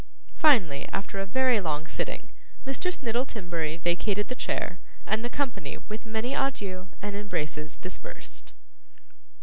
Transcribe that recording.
Finally, after a very long sitting, Mr Snittle Timberry vacated the chair, and the company with many adieux and embraces dispersed.